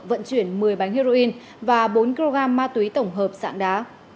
vận chuyển một mươi bánh heroin và bốn kg ma túy tổng hợp sạng đá